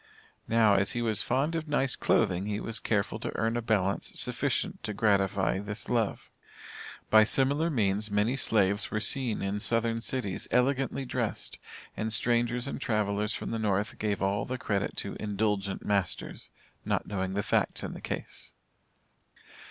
Now, as he was fond of nice clothing, he was careful to earn a balance sufficient to gratify this love. By similar means, many slaves were seen in southern cities elegantly dressed, and, strangers and travelers from the North gave all the credit to "indulgent masters," not knowing the facts in the case.